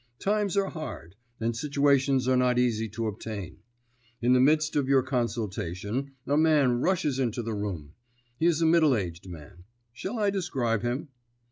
Times are hard, and situations are not easy to obtain. In the midst of your consultation a man rushes into the room. He is a middle aged man. Shall I describe him?"